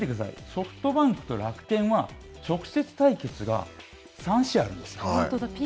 ソフトバンクと楽天は、直接対決が３試合あるんですよ。